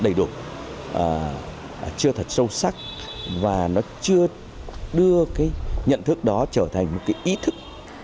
ai phát sediment hà giang ccio trong sneez hai mươi hai